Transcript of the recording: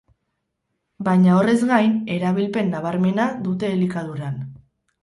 Baina horrez gain, erabilpen nabarmena dute elikaduran.